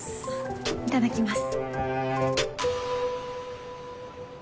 いただきます。